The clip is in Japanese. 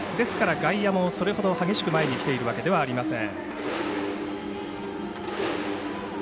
外野もそれほど激しく前に来ているわけではありません。